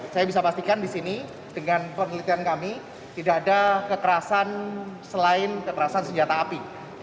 saya bisa pastikan di sini dengan penelitian kami tidak ada kekerasan selain kekerasan senjata api